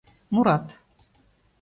Мурат: